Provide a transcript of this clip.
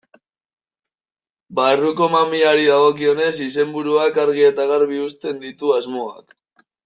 Barruko mamiari dagokionez, izenburuak argi eta garbi uzten ditu asmoak.